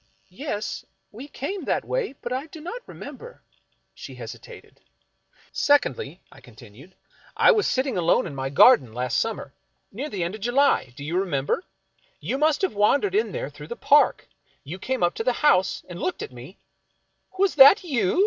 " Yes — we came that way, but I do not remember " She hesitated. " Secondly," I continued, " I was sitting alone in my gar 33 American Mystery Stories den last summer — near the end of July — do you remember? You must have wandered in there through the park; you came up to the house and looked at me " "Was that you?"